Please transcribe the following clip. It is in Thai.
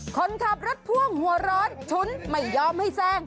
คนขับรถพ่วงหัวร้อนฉุนไม่ยอมให้แซง